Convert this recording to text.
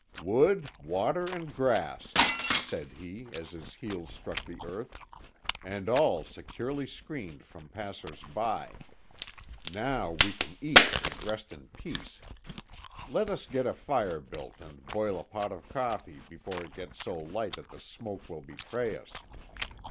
"Water, wood, and grass," said he as his heels struck the earth, "and all securely screened from passers by. Now we can eat and rest in peace. Let us get a fire built and boil a pot of coffee before it gets so light that the smoke will betray us."